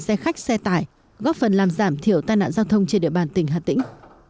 điều này góp phần làm giảm thiểu tai nạn giao thông trên địa bàn tỉnh hà tĩnh